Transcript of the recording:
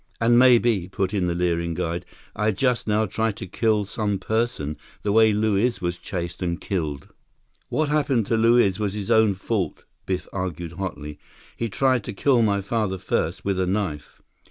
"And maybe," put in the leering guide, "I just now try to kill some person, the way Luiz was chased and killed." "What happened to Luiz was his own fault," Biff argued hotly. "He tried to kill my father first, with a knife."